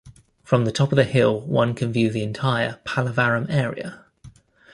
From the top of the hill, one can view the entire Pallavaram area.